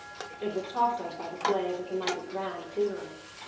It was talked of by the slaves as a mighty grand funeral.